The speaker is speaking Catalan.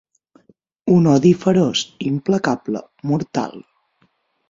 Un odi feroç, implacable, mortal.